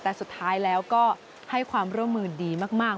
แต่สุดท้ายแล้วก็ให้ความร่วมมือดีมาก